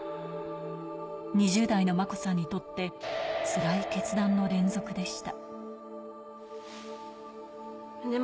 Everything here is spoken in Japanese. ２０代の真子さんにとって、つらい決断の連続でした。